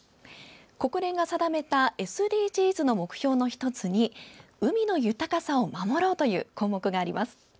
国連が定めたＳＤＧｓの目標の１つに「海の豊かさを守ろう」という項目があります。